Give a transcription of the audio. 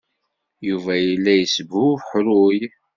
Yuba yella yesbuḥruy.